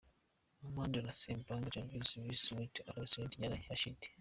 Amandla Stenberg Quvenzhané Wallis Silentó Willow Smith Yara Shahidi.